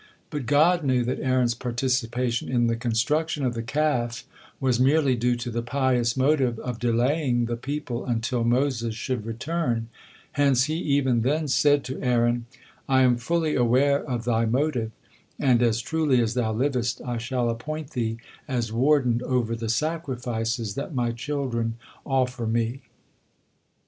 But God knew that Aaron's participation in the construction of the Calf was merely due to the pious motive of delaying the people until Moses should return, hence He even then said to Aaron: "I am fully aware of they motive, and, as truly as thou livest, I shall appoint thee as warden over the sacrifices that My children offer Me."